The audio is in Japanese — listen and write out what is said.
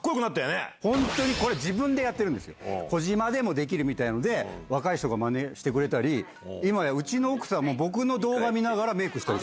自分でやってるんです児嶋でもできる！みたいので若い人がまねしてくれたり今やうちの奥さんも僕の動画見ながらメイクしたり。